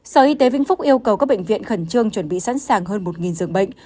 sở y tế vĩnh phúc yêu cầu các bệnh viện khẩn trương chuẩn bị sẵn sàng hơn một dường bệnh